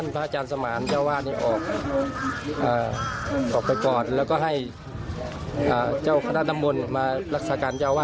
เพราะว่าการพัฒนาก็ไม่เท่าที่ป่วนนะฮะ